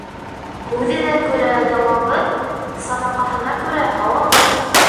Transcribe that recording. Һүҙенә күрә яуабы, саҙаҡаһына күрә һауабы.